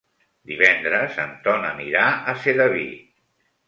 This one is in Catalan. Divendres en Ton anirà a Sedaví.